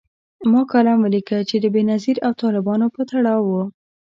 ما کالم ولیکه چي د بېنظیر او طالبانو په تړاو و